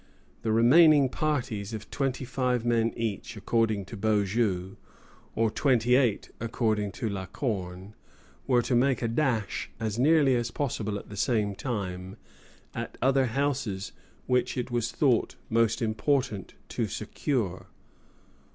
The remaining parties, of twenty five men each according to Beaujeu, or twenty eight according to La Corne, were to make a dash, as nearly as possible at the same time, at other houses which it was thought most important to secure.